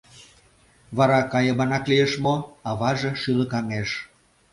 Вара, кайыманак лиеш мо? — аваже шӱлыкаҥеш.